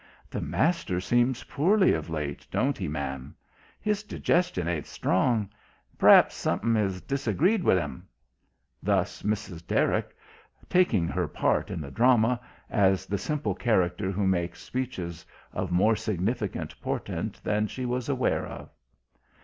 "The master seems poorly of late, don't he, ma'am? His digestion ain't strong. P'r'aps something 'as disagreed with 'im." Thus Mrs. Derrick, taking her part in the drama, as the simple character who makes speeches of more significant portent than she is aware of.